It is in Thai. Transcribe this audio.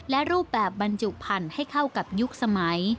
และรูปแบบบรรจุพันธุ์ให้เข้ากับยุคสมัย